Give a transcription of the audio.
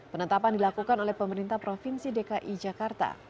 penetapan dilakukan oleh pemerintah provinsi dki jakarta